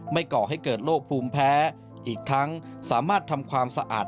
ก่อให้เกิดโรคภูมิแพ้อีกทั้งสามารถทำความสะอาด